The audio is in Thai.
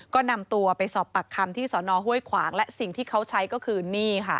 ก็นำตัวไปสอบปากคำที่สอนอห้วยขวางและสิ่งที่เขาใช้ก็คือนี่ค่ะ